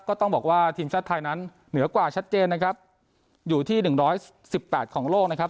ก็ต้องบอกว่าทีมชาติไทยนั้นเหนือกว่าชัดเจนนะครับอยู่ที่หนึ่งร้อยสิบแปดของโลกนะครับ